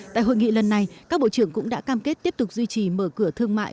tại hội nghị lần này các bộ trưởng cũng đã cam kết tiếp tục duy trì mở cửa thương mại